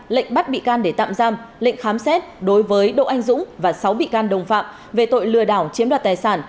lệnh bắt bị can để tạm giam lệnh khám xét đối với đỗ anh dũng và sáu bị can đồng phạm về tội lừa đảo chiếm đoạt tài sản